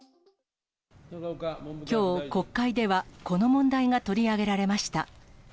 きょう国会では、この問題が取り上げられました。